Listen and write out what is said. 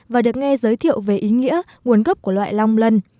và được nghe giới thiệu về ý nghĩa nguồn gốc của loại long lân